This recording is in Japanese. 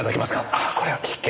ああこれは失敬。